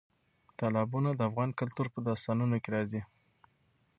تالابونه د افغان کلتور په داستانونو کې راځي.